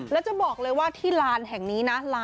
แล้วจะบอกเลยว่าที่ลานแห่งนี้นะ